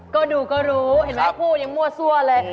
ก็ดูก็รู้เห็นไหมคู่ยังมั่วซั่วเลย